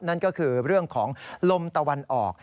นั่นก็คือเรื่องของลมตะวันออก